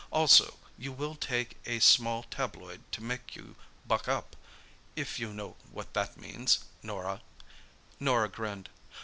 Also, you will take a small tabloid to make you 'buck up,' if you know what that means, Norah!" Norah grinned.